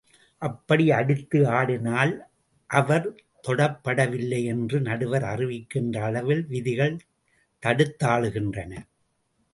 அப்படி அடித்து ஆடினால், அவர் தொடப்படவில்லை என்று நடுவர் அறிவிக்கின்ற அளவில் விதிகள் தடுத்தாளுகின்றன.